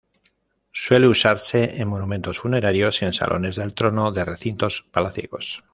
Suele usarse en monumentos funerarios y en salones del trono de recintos palaciegos.